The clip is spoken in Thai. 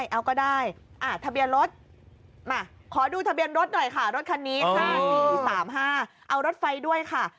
เอาก็ได้ทะเบียนรถมาขอดูทะเบียนรถหน่อยค่ะรถคันนี้๕๔๓๕เอารถไฟด้วยค่ะ